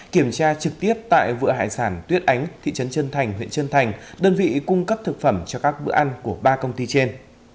kiểm tra trực tiếp tại vựa hải sản tuyết ánh thị trấn trân thành huyện trân thành đơn vị cung cấp thực phẩm cho các bữa ăn của ba công ty trên